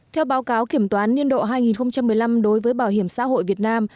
theo báo cáo kiểm toán niên độ hai nghìn một mươi năm đối với bảo hiểm xã hội việt nam